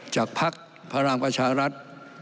จากภักดิ์พระรามประชารัฐ